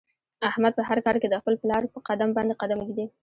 احمد په هر کار کې د خپل پلار په قدم باندې قدم ږدي.